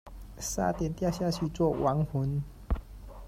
差点掉下去做亡魂